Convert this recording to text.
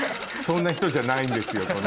そんな人じゃないんですよ